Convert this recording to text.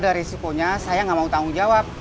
ada risikonya saya nggak mau tanggung jawab